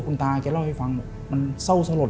คุณตาแกเล่าให้ฟังบอกมันเศร้าสลด